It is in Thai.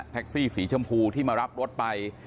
แท็กซี่สีชมพูที่มารับรถไป